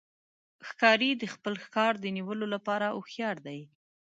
ښکاري د خپل ښکار د نیولو لپاره هوښیار دی.